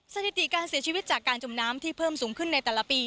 สถิติการเสียชีวิตจากการจมน้ำที่เพิ่มสูงขึ้นในแต่ละปี